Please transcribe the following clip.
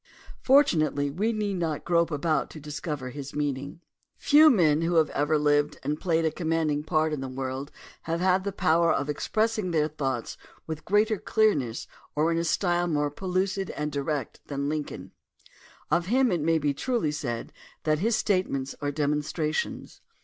Fortu nately we need not grope about to discover his meaning. 126 THE DEMOCRACY OF ABRAHAM LINCOLN Few men who have ever hved and played a command ing part in the world have had the power of expressing their thoughts with greater clearness or in a style more pellucid and direct than Lincoln. Of him it may truly be said that his statements are demonstrations.